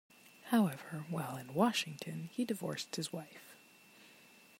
However, while in Washington, he divorced his wife.